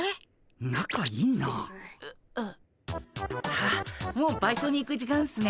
あっもうバイトに行く時間っすね。